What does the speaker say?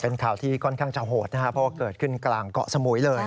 เป็นข่าวที่ค่อนข้างจะโหดนะครับเพราะว่าเกิดขึ้นกลางเกาะสมุยเลย